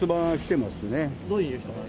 どういう人が？